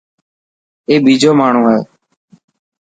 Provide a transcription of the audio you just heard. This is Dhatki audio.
اي ٻيجو ماڻهو هي.